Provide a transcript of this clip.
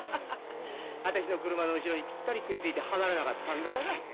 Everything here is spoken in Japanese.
私の車の後ろにピッタリくいついて離れなかったんだから。